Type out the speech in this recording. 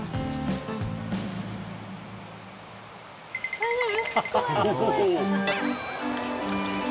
大丈夫？